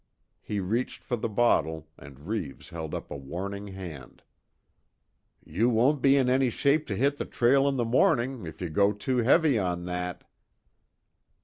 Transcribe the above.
He reached for the bottle, and Reeves held up a warning hand: "You won't be in any shape to hit the trail in the morning, if you go too heavy on that."